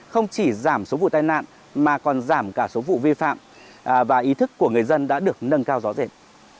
không chỉ giảm số vụ tai nạn mà còn giảm cả số vụ vi phạm và ý thức của người dân đã được nâng cao rõ rệt